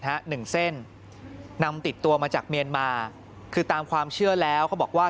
หนึ่งเส้นนำติดตัวมาจากเมียนมาคือตามความเชื่อแล้วเขาบอกว่า